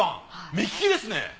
目利きですね！